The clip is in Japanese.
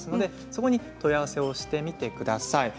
そこに問い合わせをしてみてください。